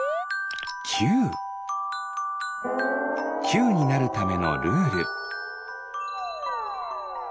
きゅうになるためのルール。